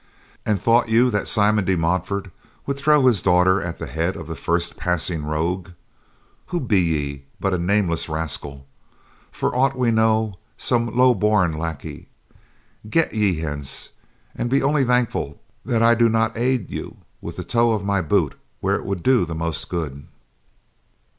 And thought you that Simon de Montfort would throw his daughter at the head of the first passing rogue? Who be ye, but a nameless rascal? For aught we know, some low born lackey. Get ye hence, and be only thankful that I do not aid you with the toe of my boot where it would do the most good."